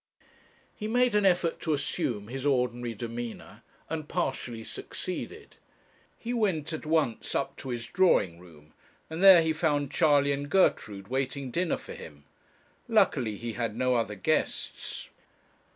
He made an effort to assume his ordinary demeanour, and partially succeeded. He went at once up to his drawing room, and there he found Charley and Gertrude waiting dinner for him; luckily he had no other guests.